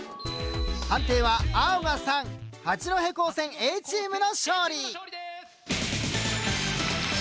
判定は青が３八戸高専Ａチームの勝利。